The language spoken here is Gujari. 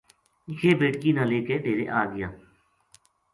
یہ بیٹکی نا لے کے ڈیرے آ گیا